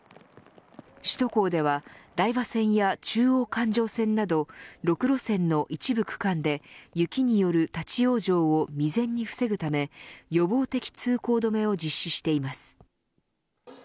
首都高では台場線や中央環状線など６路線の一部区間で雪による立ち往生を未然に防ぐため予防的通行止めを実施しています。